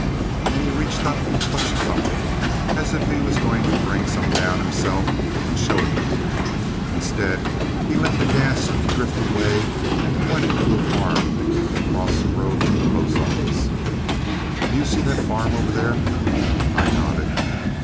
And he reached up and clutched something, as if he was going to bring some down himself and show it to me. Instead, he let the gas drift away and pointed to a farm just across the road from the post office. "Do you see that farm over there?" I nodded.